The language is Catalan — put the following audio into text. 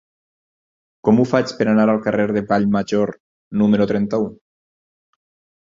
Com ho faig per anar al carrer de Vallmajor número trenta-u?